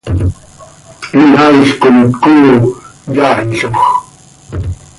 Inaail com tcooo yaailoj.